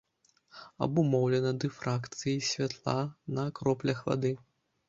Абумоўлена дыфракцыяй святла на кроплях вады.